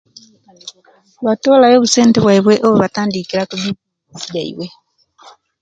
Batolayo obusente onubatandikira ebzinesijaibwe